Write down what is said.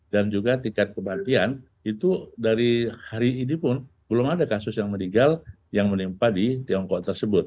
dan juga tingkat kematian itu dari hari ini pun belum ada kasus yang meninggal yang menimpa di tiongkok tersebut